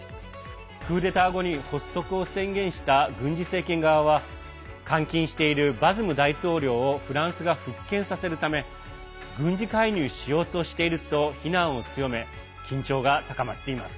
クーデター後に発足を宣言した軍事政権側は監禁しているバズム大統領をフランスが復権させるため軍事介入しようとしていると非難を強め緊張が高まっています。